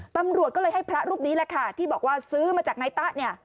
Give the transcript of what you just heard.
ตำรวจก็เลยให้พระรูปนี้แหละค่ะที่บอกว่าซื้อมาจากนายตะเนี่ย